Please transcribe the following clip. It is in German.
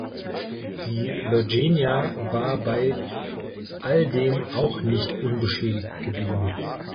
Die "Virginia" war bei alldem auch nicht unbeschädigt geblieben.